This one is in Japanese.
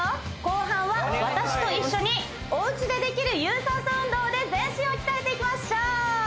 後半は私と一緒におうちでできる有酸素運動で全身を鍛えていきましょう！